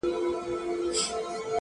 • په خپلو کړو به ګاونډي ویاړی ,